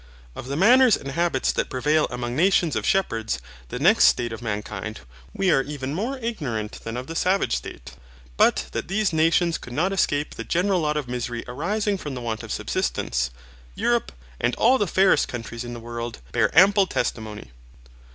Of the manners and habits that prevail among nations of shepherds, the next state of mankind, we are even more ignorant than of the savage state. But that these nations could not escape the general lot of misery arising from the want of subsistence, Europe, and all the fairest countries in the world, bear ample testimony.